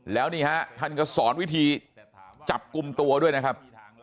แล้วนี่ฮะท่านก็สอนวิธีจับกลุ่มตัวด้วยนะครับ